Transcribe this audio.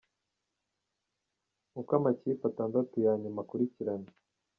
Uko amakipe atandatu ya nyuma akurikirana.